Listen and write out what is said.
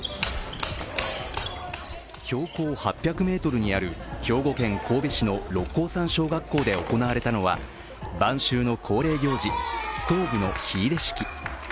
標高８００ｍにある兵庫県神戸市の六甲山小学校で行われたのは晩秋の恒例行事、ストーブの火入れ式。